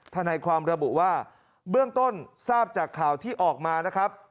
ทนายความระบุว่าเบื้องต้นทราบจากข่าวที่ออกมานะครับ